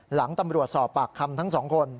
หลังตำรวจสอบปากคำทั้งสองคน